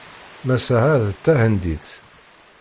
Massa-a d tahendit.